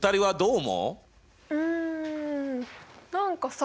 うん何かさ。